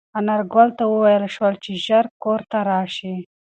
انارګل ته وویل شول چې ژر کور ته راشي.